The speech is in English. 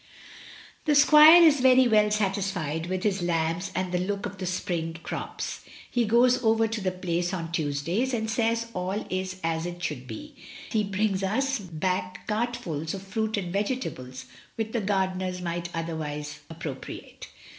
"The squire is very well satisfied with his lambs and the look of the spring crops. He goes over to the Place on Tuesdays, and says all is as it should be. He brings us back cartfuls of fruit and vege tables, which the gardeners might otherwise appro priate.